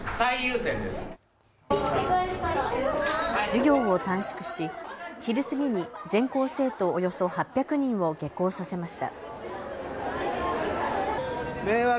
授業を短縮し昼過ぎに全校生徒およそ８００人を下校させました。